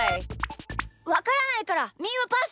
わからないからみーはパス！